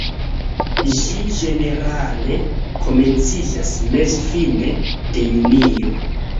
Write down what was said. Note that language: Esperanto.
Ĝi ĝenerale komenciĝas meze-fine de junio.